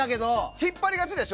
引っ張りがちでしょ？